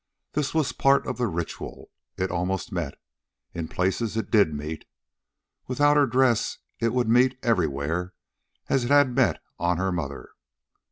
This was part of the ritual. It almost met. In places it did meet. Without her dress it would meet everywhere as it had met on her mother.